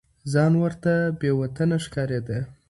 ځان ورته بې وطنه ښکارېده.